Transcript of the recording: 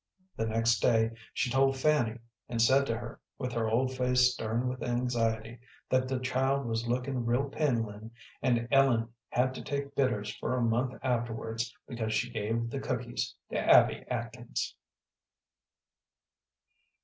The next day she told Fanny, and said to her, with her old face stern with anxiety, that the child was lookin' real pindlin', and Ellen had to take bitters for a month afterwards because she gave the cookies to Abby Atkins.